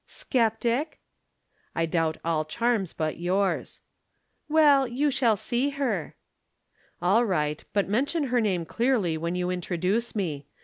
"Sceptic!" "I doubt all charms but yours." "Well, you shall see her." "All right, but mention her name clearly when you introduce me.